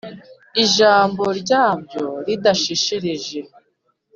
Ijambo ryabyo ridasheshereje